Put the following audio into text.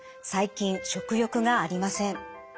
最近食欲がありません。